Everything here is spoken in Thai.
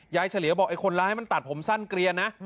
เฉลียวบอกไอ้คนร้ายมันตัดผมสั้นเกลียนนะ